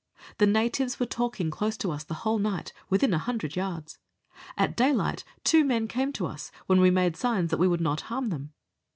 The natives were talking close to us the whole night, within 100 yards. At daylight two men came to us, when we made signs that we would not harm them.